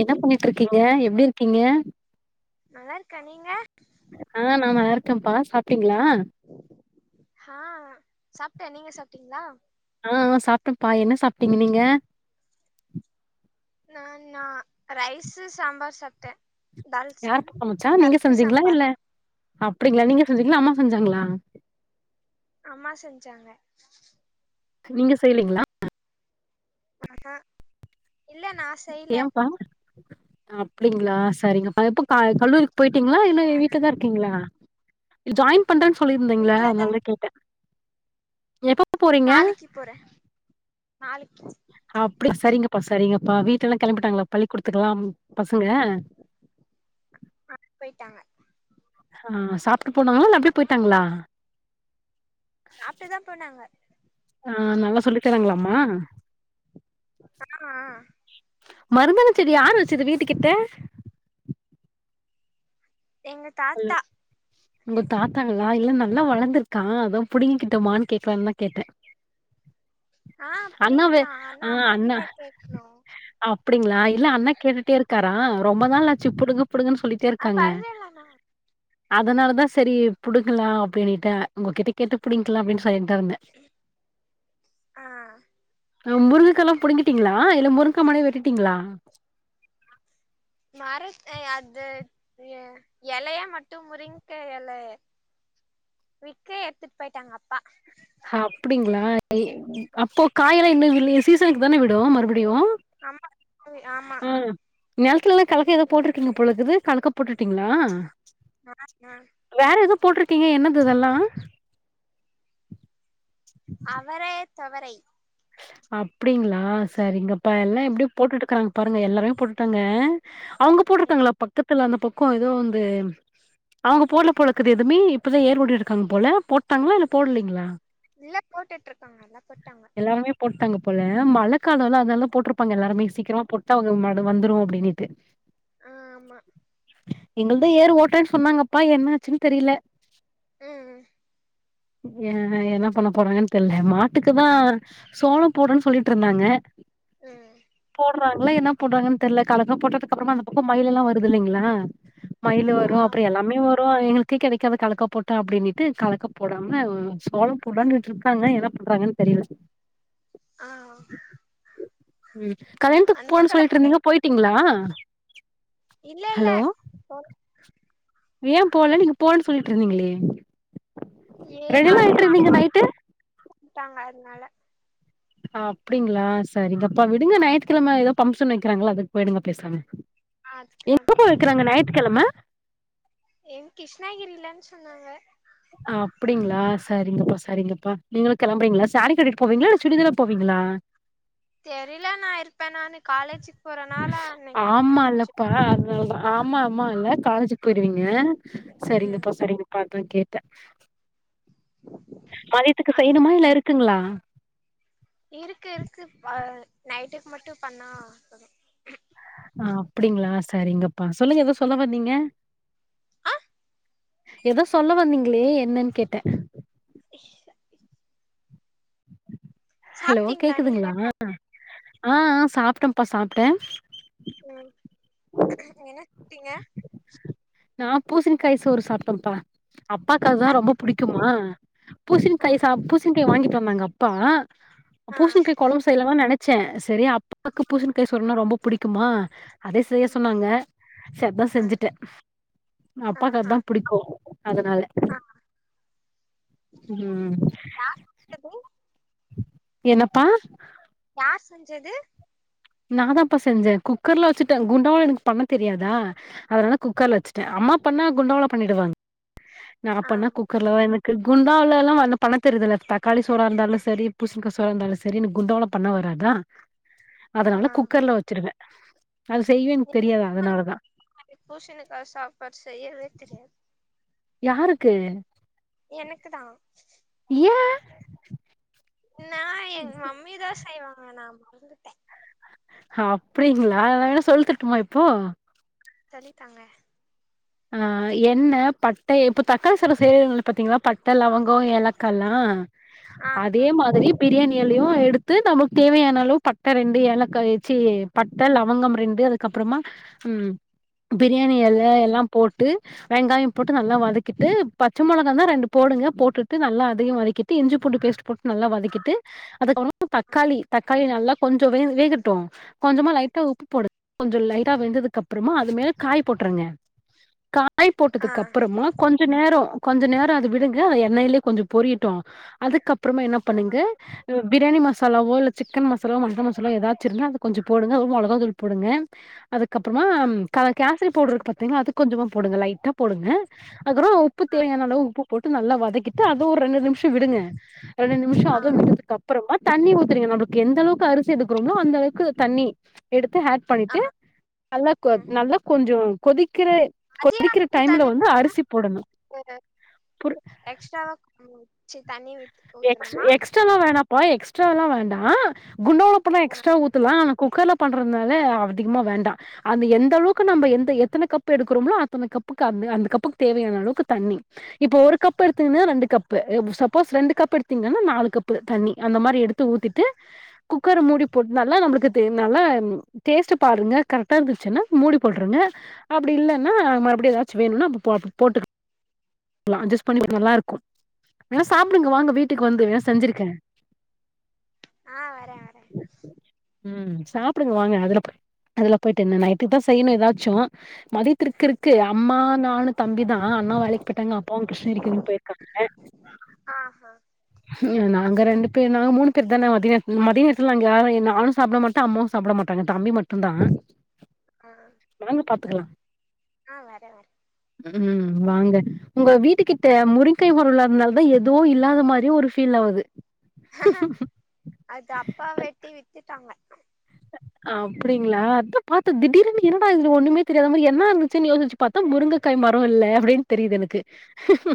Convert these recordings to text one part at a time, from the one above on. என்ன பண்ணிட்ருக்கீங்க எப்டி இருக்கீங்க நல்லாருக்கே நீங்க ஆஹ் நா நல்லா இருக்கேன்ப்பா சாப்டீங்ளா ஹா சாப்ட்டே நீங்க சாப்ட்டீங்களா ஆ சாப்பிட்டேன்ப்பா என்ன சாப்ட்டீங்க நீங்க நான் னா ரைஸ்ஸு சாம்பார் சாப்டேன் யாரு பா சமச்சா நீங்க செஞ்சீங்களா சாம்பார் இல்ல அப்டிங்களா நீங்க செஞ்சீங்களா அம்மா செஞ்சாங்களா அம்மா செஞ்சாங்க நீங்க செய்யேலிங்களா ஆஹ ஹ இல்ல நா செய்யல ஏனப்பா அப்டிங்களா சரிங்கப்பா எப்ப ஆ கல்லூரிக்கு போய்ட்டீங்களா இன்னு வீட்டுலதா இருக்கீங்களா ஜாய்ன் பண்றேன்னு சொல்லிருந்தீங்களா வீட்லதா அதுனாலதா கேட்டே எப்ப போறீங்க நாளைக்கு போறே ஹாலுக்கு அப்டி சரிங்கப்பா சரிங்கப்பா வீட்டுல இருந்து கிளம்பிட்டாங்களா பள்ளி கூடத்துக்கலா பசங்க போய்ட்டாங்க ஆ சாப்ட்டு போனாங்களா இல்ல அப்டியே போயிட்டாங்களா சாப்ட்டுதா போனாங்க ஆஹ் நல்லா சொல்லி தராங்களாம்மா ஆஹ் ஆஹ் மருதாணி செடி யாரு வச்சது வீட்டுக்கிட்ட எங்க ஹலோ தாத்தா உங்க தாத்தாங்களா இல்ல நல்லா வளர்ந்திருக்கா அத புடிங்க கிட்டோமான்னு கேக்லான்னு தா கேட்டே ஆ புடிக்கலா ஆ ஆனா அம்மா அண்ணா கிட்ட கேக்கணு அப்டிங்களா இல்ல அண்ணன் கேட்டுட்டே இருக்காரா ரொம்ப நாள்லாச்சு புடுங்க புடுங்கன்னு சொல்லிட்டு அது பரவலாம்ண்ணா அதனால தா சரி புடுக்கலா அப்டினுட்டு உங்ககிட்ட கேட்டு பிடிங்கலா அப்படின்னு சொல்லிட்டு இருந்தே ஆ ஹ முருங்காக்க எல்லா புடுங்கிட்டீங்களா இல்ல முருங்கா மரமே வெட்டுட்டீங்களா மர அது இ இலையா மட்டு முரூங்க இல வி்க எடுத்துட்டு போயிட்டாங்க அப்பா ஹ அப்டிங்களா அப்போ காய் எல்லா இன்னும் சீசனுக்கு தானே விடும் மறுபடியு ஆமா ஆமா நிலத்துல எல்லா கலக்க ஏதோ போட்டுிருட்டீங்க போல இருக்குது கலக்க போட்டுட்டீங்களா ஆ ஆ அ வேற எதோ போட்ருக்கீங்க என்னது இதெல்லா அவரே தவறை அப்டிங்களா சரிங்கப்பா எல்லா எப்டி போட்டுட்டுருக்கறாங்க பாருங்க எல்லாருமே பொருட்டாங்க அவங்க போட்ருப்பாங்களா பக்கத்துல அந்த பொக்கோ ஏதோ வந்து அவங்க போட்ல போலக்குது எதுமே இப்பதா ஏற்வாடு இருக்காங்க போல போட்டாங்களா இல்ல போடலைங்களா இல்ல போட்டுட்டுருக்காங்க எல்லா போட்டாங்க எல்லாருமே போட்டாங்க போல மழ காலல்லா அதுனால போட்ருப்பாங்க எல்லாருமே சீக்கிரா போட்டு அவங்களு மழ வந்துரு அப்டின்ட்டு அ ஆமா எங்கள் தா ஏரு ஓட்டே சொன்னாங்கப்பா என்ன ஆச்சுன் தெரியல உ எ அ என்ன பண்ண போறாங்கன் தெர்ல மாட்டுக்கு தா சோளோ போட்றேன் சொல்லிட்டுருந்தாங்க அ இப்ப அங்கலா என்ன போட்றாங்கன் தெர்ல கலக்க போட்டதுக்கப்றமா அந்த பக்கொ மயிலெல்ல வருது இல்லைங்களா மயிலு ஆ வரு அப்றோ ஆமா எல்லாமே வரு எங் க்கு கெடைக்காது கலக்கா போட்டா அப்டின்னுட்டு கலக்கா போடாம சோளொ போடான்னுட்டுருக்காங்க என்ன பண்றாங்கன் சரி இல்ல ஆ ஆ ம் கல்யாண்த்துக்கு போணு மழையில சொல்லிட்டுருந்தீங்க இடிச்சு போய்ட்டீங்களா இல்ல இல்ல ஒ ஏ போல போகன் சொல்லிட்டுருந்தீங்களே ரெடிலா ஆயிட்ருந்தீங்க நைட்டு வுட்டாங்க அதுனால ஆ அப்டிங்களா சரிங்கப்பா விடுங்க நாயித்துக்கெழம ஏதோ பம்ப்ஷன் வைக்கிறாங்களா அதுக்கு போய்டுங்க பேசாம அதுக்குதான் எங்கப்பா போலான்னு வைக்கிறாங்க நாயித்துக்கெழம என் கிருஷ்ணாகிரிலன் சொன்னாங்க ஆ அப்டிங்களா சரிங்கப்பா நீங்களு கெளம்புறீங்களா கட்டிட்டு போவீங்களா சுடிதால போவீங்களா தெரிய்ல நா இருப்பேனானு காலேஜு ஆமால்லப்பா அத்னால்தா ஆமா ஆமா இல்ல காலேஜுக்கு போய்ருவீங்க ம் சரிங்கப்பா சரிங்கப்பா அதா கேட்ட மதியத்துக்கு அங்க செய்ணுமா இல்ல இருக்குங்களா இருக்கு இருக்கு ப நைட்டுக்கு மட்டு பண்ணா போதூ ஆ அப்டிங்களா சரிங்கப்பா சொல்லுங்க எதோ சொல்ல வந்தீங்க ஆ ஏதோ சொல்ல வந்தீங்களே என்னன் கேட்ட ஷ் ஹலோ சாப்ட்டீங்களா நீங்க கேக்குதுங்களா ஆ ஆ சாப்ட்டேம்ப்பா சாப்ட்டே ம் என்ன ப்டீங்க நா பூசினிக்காய் சோறு சாப்ட்டேம்ப்பா அப்பாக்கு அதா ரொம்ப புடிக்குமா ஆ பூசினிகாய் சாப்க்கு சினிக்கா வாங்கிட்டு வந்தாங்க அப்பா அ ஆ பூசனிக்கா கொழம்பு செய்யலா தா நென ச செரி ஆ அப்பாக்கு பூசனிக்கா சோறுனா ரொம்ப புடிக்குமா அதே செய்ய ம் சொன்னாங்க சப்பா ஆ செஞ்சுட்டே மு அப்பாக்கு ஆஹா அதா புடிக்கூ அதனால ஆ ம் ஹெலோ என்னப்பா யார் செஞ்சது நாதாப்பா செஞ்ச குக்கர்ல வச்சுட்ட குண்டாவ எனக்கு பண்ண தெரியாதா அதனால குக்கர்ல வச்சுட்ட அம்மா பண்ணா குண்டாவ்ள பண்ணிடுவாங் நா ஆ பண்ணா குக் கர்லதா எனக்கு குண்டாவ்லேல்லா பண்ண தெரியற்தில்ல தக்காளி சோறா இருந்தாலு செரி பூசணிக்கா சோறா இருந்தாலு சரி எனக் குண்டாவ்ல பண்ண வராதா அதனால ஆ குக்கர்ல வச்சிருவே அது செய்வே எனக் தெரியாது அதனாலதா பூஷணிக்கா சாப்பாட் செய்யவே தெரியாது யாருக்கு எனக்குதா ஏ நா எங்க மம்மிதா செய்வாங்க நா மறந்துட்ட அப்டிங்ளா நா வேணா சொல்லித்தற்ட்டுமா இப்போ சொல்லித்தாங்க ஆ எண்ண பட்ட இப்ப தக்காளி சாதொ செய்வோ பாத்தீங்களா பட்ட லவங்கொ ஏலக்கால்லா ஆ அதே ஆ மாதிரி பிரியாணி எலையு எடுத்து நமக்கு தேவையான அளவு பட்ட ரெண்டு ஏலக்கா சீ பட்ட லவங்கம் ரெண்டு அதுக்கப்றமா ம் பிரியாணி எல எல்லாம் போட்டு வெங்காயம் போட்டு நல்லா வதக்கிட்டு பச்ச மொளகார்ந்தா ரெண்ட போடுங்க போட்டுட்டு நல்லா அதையு வதக்கி ட்டு இஞ்சி பூண்டு பேஸ்ட் போட்டு நல்லா வதக்கிட்டு அதுக்கப்றொ தக்காளி தக்காளி நல்லா கொஞ்சொ வேக வேகட்டு கொஞ்சமா லைட்டா உப்பு போடு கொஞ்சொ லைட்டா வெந்ததுக்கப்றமா அது மேல காய் போட்ருங்க காய் ஆ ஆ போட்டதுக்கப்பறமா கொஞ்ச நேரொ கொஞ்ச நேரொ அது விடுங்க எண்ணய்லயே கொஞ்சொ பொரியட்டு அதுக்கப் அப்றமா என்ன பண்ணுங்க உ பிரியாணி மசாலாவோ இல்ல சிக்கன் மசாலாவோ மட்டன் மசாலாவோ ஏதாச்சு இருந்தா அத கொஞ்சம் போடுங்க மொளகா தூள் போடுங்க அதுக்கப்றமா கல கேஸ்ரி பௌட்ரு இருக்கு பாத்தீங்ளா அது கொஞ்சமா போடுங்க லைட்டா போடுங்க அதுக்ப்றொ உப்பு ஆ தேவையான அளவு உப்பு போட்டு நல்லா வதக்கிட்டு அது ஒரு ரெண்டு நிம்ஷொ விடுங்க ரெண்டு நிமிஷொ ஆ அதுவு விட்டதுக்கப் அப்பறமா தண்ணி ஊத்துறீங்க நம்பளுக்கு எந்தளவுக்கு அரிசி எடுக்குறோமோ அந்தளவுக்கு தண்ணி எடுத்து ஹா ஆ பண்ணிட்டு நல்லா கொ ம் நல்லா கொஞ்சொ கொதிக்கிற அதே கொதிக்கிற அளவுக்கு டைம்ல தண்ணி வந்து அரிசி ஊத்தணுமா போடணோ புர் எக்ஸ்ட்ராவா சி தண்ணி வித் எக்ஸ் எக்ஸ்ட்ராலா வேணாம்பா எக்ஸ்ட்ராலா வேண்டா குண்டோள பண்ண ஆ எக்ஸ்ட்ரா ஊத்துலா ஆனா குக்கர்ல பண்றதுனால அதிகமா வேண்டா அந்த எந்த அளவுக்கு நம்ப எந்த எத்தன கப்பு எடுக்குறோம்ளோ அத்தன கப்புக்கு அந்த அந்த கப்புக்கு தேவையான அளவுக்கு தண்ணி இப்போ ஒரு கப்பு எடுத்துங்னா ரெண்டு கப்பு அ சப்போஸ் ரெண்டு கப் பு எடுத்தீங்னா நாலு கப்பு தண்ணி அந்த மாரி எடுத்து ஊத்திட்டு குக்கரு மூடி போட்னாலா நம்ப்ளுக்கு தெ நல்லா டேஸ்ட்டு பாருங்க கரெக்ட்டா இருந்துச்சுன்னா மூடி போட்ருங்க அப்டி இல்லைன்னா மறுப்டி ஏதாச்சு வேணுன்னா அப்ப போட் போட்டு லா அட்ஜஸ்ட் பண்ணி [inaudible] நல்லா இருக்கு இல்லனா சாப்டுங்க வாங்க வீட்டுக்கு வந்து வ செஞ்சிருக்க ஆ வர வர ம் சாப்டுங்க வாங்க அதுல போ அதுல போய்ட்டு என்ன நைட்டுக்தா செய்ணு ஏதாச்சு மதியத்ருக்குருக்கு அம்மா நானு தம்பிதா அண்ணா வேலைக் பொய்ட்டாங்க அப்பாவு கிருஷ்ணகிரிக்கி இங்க போய்ருக்காங்க ஆ ஹ நாங்க ரெண்டு பேர் நாங்க மூணு பேர்தான மதியத் மதியேத்துல நாங்க யாரு நானு சாப்ட மாட் தா முஸ் சாப்ட மாட்டாங்க தம்பி மட்டுதா ஆ வாங்க பாத்துக்கலா ஆ வர வர ம் வாங்க உங்க வீட்டுக்கிட்ட முறுங்கை மாரோ இல்லாதனாலதா எதோ இல்லாத மாரி தே ஒரு பீல் ஆவுது அது அப்பா வெட்டிவிட்டுடாங்க அப்டிங்களா அத பாத்தா திடீர்னு என்னடா இதுல ஒண்ணுமே தெரியாத மாரி என்னா இருந்துச்சு யோசிச்சு பாத்தா முருங்கக்காய் மரோ இல்ல அப்டினு தெரிது எனக்கு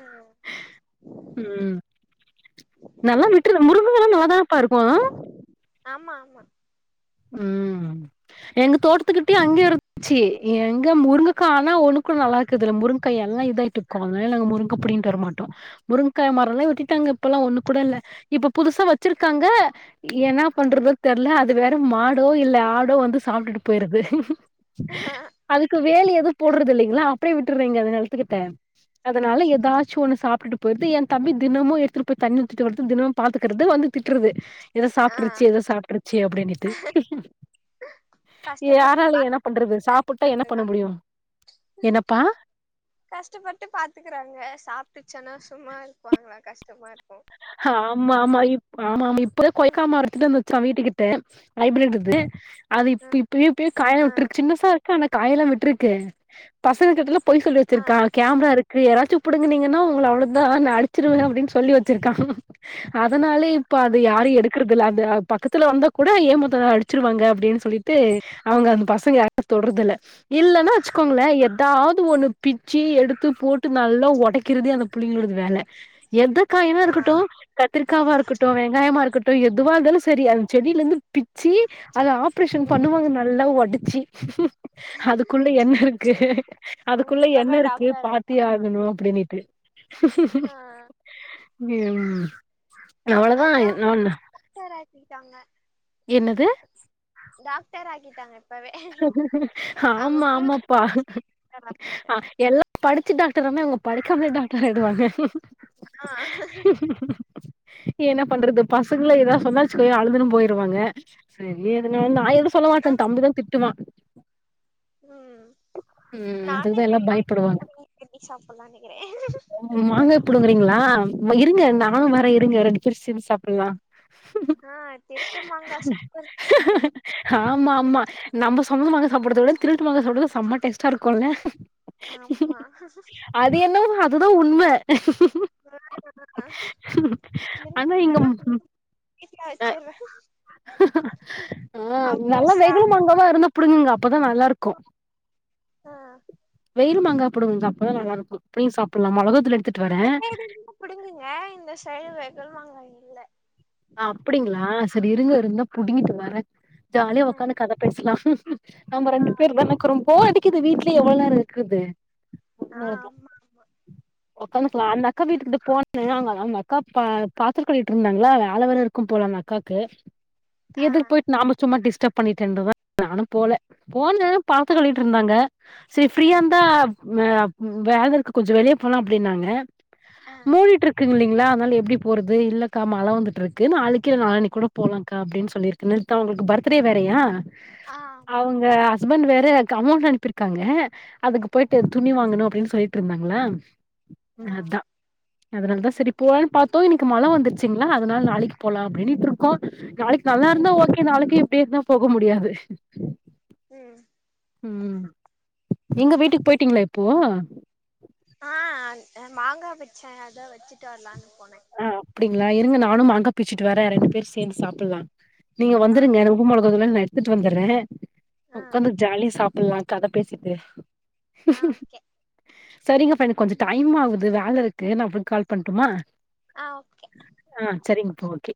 ஆ ம் நல்லா விட்டுறு முருங்கக்காலா நல்லாதானப்பா இருக்கோ ஆமா ஆமா ம் எங்க தோட்டத்துக்கிட்டியே அங்கியூ இருக்கு சீ எங்க முருங்கக்கா ஆனா ஒன்னு கூட நல்லா இருக்குதுல்ல முருங்கக்கா எல்லா இதாயிட்டு இருக்கு அதனால நாங்க முருங்கா புடிங்கிட்டு வரமாட்டோ முருங்கா மரோலா வெட்டிட்டாங்க இப்பல்லா ஒண்ணு கூட இல்ல இப்ப புதுசா வெச்சிருக்காங்க ஏனா பண்றது தெரில அது வேற மடோ இல்ல ஆடோ வந்து சாப்ட்டு போயிருது அதுக்கு வேலி எது போடுறது இல்லைங்களா அப்படியே விட்டுறீங்க அந்த நெலத்துக்கிட்ட அதனால ஏதாச்சு ஒன்னு சாப்டுட்டு போயிது எ தம்பி தினமோ எடுத்துடு போய் தண்ணி ஊத்திட்டு வருது தினோ பாத்துக்கறது வந்து திட்றது இத ஆ சாப்புட்டுருச்சு இத சாப்புட்டுருச்சு அப்டினிட்டு கஷ்டப்பட்டு யாரால என்ன பண்றது சாப்புட்டா பாத்துக்கறாங்க என்ன பண்ண முடியோ என்னப்பா கஷ்டப்பட்டு பாத்துக்குறாங்க சாப்புட்டுச்சன்னா சும்மா இருப்பாங்களா கஷ்டமா இருக்கு ஆமா ஆமா இப் ஆமா ஆமா இப்போ கொயிக்கா மரத்திட்டுந்து கா வீட்டுக்கிட்ட ஹைப்ரய்ட் இது அது இப் இப் பியூ பியூ காய்லா ஆ விட்டுருக்கு சின்னசா இருக்கு ஆன காய்லா விட்டுருக்கு பசங்க கிட்டல பொய் சொல்லி ஆ வெச்சிருக்கா ஆ கேமரா இருக்கு யாராச்சு புடுங்கனீங்கனா உங்கள அவ்ளோதா நா அடிச்சிருவே அப்டினு சொல்லி வச்சிருக்காங்க அதனாலே இப்போ ஆ அது யாரு எடு இருக்குதுல அது அ பக்கத்துல வந்தா கூட ஏமுத்தா அடிச்சிருவாங்க அப்டினு சொல்லிட்டு அவுங்க அந்த பசங்க யாரு தொரதுல இல்லன்னா வெச்சுக்கோங்ளே ஏதாது ஒன்னு பிச்சு எடுத்து போட்டு நல்லா ஒடைக்கிறத அந்த புள்ளிங்களோடது வேல வெங்காயமே ஆ இருக்கட்டு கத்திரிக்காவா இருக்கட்டு வெங்காயமா இருக் க்கட்டு எதுவா இருந்தாலு சரி அந்த செடியில இருந்து பிச்சு அத ஆப் ஆப்ரேஷன் ம் பண்ணுவாங்க நல்லா ஒடிச்சு அதுக்குள்ள என்ன இருக்கு அவங்க அதுக்குள்ள என்ன இப்பவே இருக்கு டாக்டர் பாத்தே ஆயிட்டாங்க ஆகணு அப்டினிட்டு ஆ ம் இனி அவ்ளோதா அதா என்நோன்னு [unintelligible] என்னது டாக்டர் ஆகிடாங்க ஆம ஆமாப்பா குடிச்சு ஆ எல்லா படிச்சு டாக்டர் ஆன இவுங்க படிக்காம டாக்டர் ஆயிடுவாங்க ஆ [inaudible] என்ன பண்றது பசங்கள ஏதா சொன்னாச்சுக்கோயே அலுதுனு போயிருவாங்க செரி எதுன வந்து நா எது சொல்ல மாட்ட ஆமா தம்பிதா திட்டுவா ம் ம் நான் அதுக்குதா எல்லா பயப்படுவாங்க வெஜ் [unintelligible] சாப்பலா நெனைக்கிற மாங்கா புடுங்றீங்களா இருங்க நானுவர இருங்க ரெண்டு பேரோ சேந்து சாப்பலா ஆ திருட்டு மங்கா சாப்பறதுக்கு எவ்ளோ ரூசியா ஆமா இருக்கு ஆமா நம்ம சொந்த மாங்கா சாப்பட்றத விட திருட்டு மாங்க சாப்பட்றதுதா செமா டேஸ்டா இருக்குல்ல ஆமா அது என்னவோ அதுதா உண்ம ஆனா இங்க இருந்ததுனா வீட்ல ஆ வச்சிர்றே அப்றோ நல்லா சா வெகுலு மாங்க ப்பா இருந்த புடுங்குங்க அப்பதா நல்லாருக்கு ஆ வெயில் மாங்கா புடுங்குங்க்கா அப்பதா நல்லாருக்கு அப்டியே சாப்புல்லா மொளகாத்தூள் எடுத்துட்டு வர அந்த சைடு இருந்தா புடுங்குங்க இந்த சைடு வெகுல்மாங்கா இல்ல அப்புடிங்ளா சரி இருங்க இருந்தா புடுங்கிட்டு வர ஜாலியா ஆ உக்காந்து கத பேசலாம் நம்ப ஆ ரெண்டு பேர்தா எனக்கு ரொம்ப போர் அடிக்குது வீட்லயே எவ்ளோ நேரோ இருக்கர்து [inaudible] ஆ ஆமா உக்காந்துக்கலா அந்த அக்கா வீட்டுக்கிட்ட போன அங்க அந்த அக்கா ப பாத்திரக்கழுவிட்டு இருந்தாங்ளா அளவேற இருக்கும் போல அந்த அக்காக்கு ஆ எதுக்கு போயிட்டு நாம சும்மா டிஸ்டர்பப் பண்ணிட்டுன்றத்தா நானு போல போன பாத்ரோ ஆ கழுவிட்டு இருந்தாங்க சரி ஆ ஃப்ரீயா இருந்தா ஆ வேல இருக்கு கொஞ்சோ வெளிய போலா அப்டின்னாங்க ஆ மூடிட்டு இருக்குங் இல்லீங்களா அதனால எப்டி போறது இல்லக்கா மழ வந்து ட்ருக்கு நாளைக்கு இல்ல நாலாணிக்கூட போலாங்க்கா அப்டின்னு சொல்லிருக்க நேத்து அவங்களுக்கு பர்த்டே வேறயா ஆமா அவுங்க ஹஸ்பண்ட் வேற க அமௌன்ட் அனுப்பிருக்காங்க அதுக்கு போய்ட்டு ஆ துணி வாங்கணு அப்டின் சொல்லிட்ருந்தாங்களா ஆ அதா அதனாலதா சரி போலான்னு பாத்தோ இன்னிக்கு மழ வந்துருச்சுங்களா அதனால நாளைக்கு போலா அப்டின்னு க்ரோ க்கோ நாளைக்கு நல்லா ம் இருந்தா ஓகே நாளைக்கு இப்டியே இருந்தா போக முடியாது ம் ம் எங்க வீட்டுக் போய்ட்டீங்களா இப்போ ஆ மாங்கா பிச்ச அதா வெச்சுட்டு வரலான்னு போன ஆ அப்டிங்களா இருங்க நானு மாங்க பிச்சுட்டு வற ரெண்டு பேரு சேந்து சாப்புல்லா நீங்க ஆ வந்துருங்க உப்பு மொளகா தூள்லா நா எடுத்துட்டு வந்தர்ற ஆ உக்காந்து ஜாலிய சாப்புல்லா கத பேசிட்டு [inaudible] ஆ ஓகே சரிங்க ப்ரெண்ட் கொஞ்சோ டைம் ஆகுது வேல இருக்கு நா அப்றோ கால் பண்டுமா ஆ ஓகே ஆ சரிங்கப்பா ஓகே